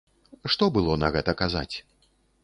Што было на гэта казаць?